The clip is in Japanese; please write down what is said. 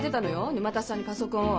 沼田さんにパソコンを。